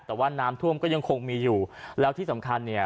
แต่ว่าน้ำท่วมก็ยังคงมีอยู่แล้วที่สำคัญเนี่ย